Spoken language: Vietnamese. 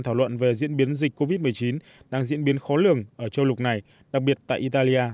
thảo luận về diễn biến dịch covid một mươi chín đang diễn biến khó lường ở châu lục này đặc biệt tại italia